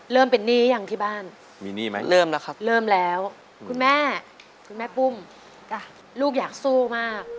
เริ่มเป็นหนี้ยังที่บ้านมีหนี้ไหมเริ่มแล้วครับเริ่มแล้วคุณแม่คุณแม่ปุ้มลูกอยากสู้มาก